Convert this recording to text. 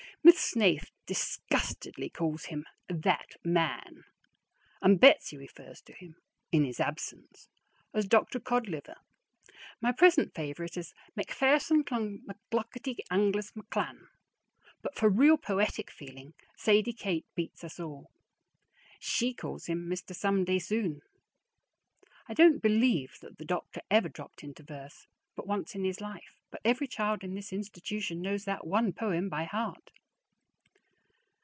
Miss Snaith disgustedly calls him "that man," and Betsy refers to him (in his absence) as "Dr. Cod Liver." My present favorite is "Macphairson Clon Glocketty Angus McClan." But for real poetic feeling, Sadie Kate beats us all. She calls him "Mister Someday Soon." I don't believe that the doctor ever dropped into verse but once in his life, but every child in this institution knows that one poem by heart.